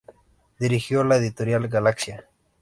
Dirigió la editorial Galaxia.